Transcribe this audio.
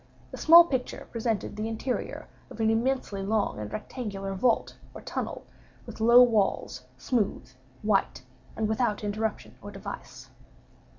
A small picture presented the interior of an immensely long and rectangular vault or tunnel, with low walls, smooth, white, and without interruption or device.